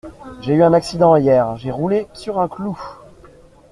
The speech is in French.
J'ai eu un accident hier, j'ai roulé sur un clou.